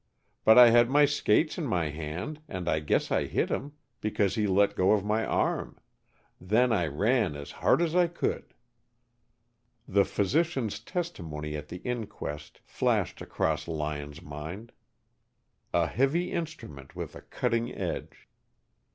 But I had my skates in my hand and I guess I hit him, because he let go of my arm. Then I ran as hard as I could." The physician's testimony at the inquest flashed across Lyon's mind, "a heavy instrument with a cutting edge."